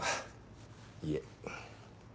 いえ。